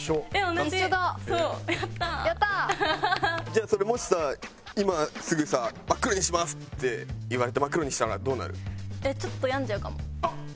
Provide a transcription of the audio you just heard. じゃあそれもしさ今すぐさ真っ黒にしますって言われて真っ黒にしたらどうなる？